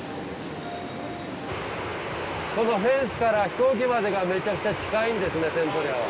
このフェンスから飛行機までがめちゃくちゃ近いんですねセントレアは。